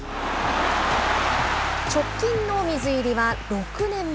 直近の水入りは、６年前。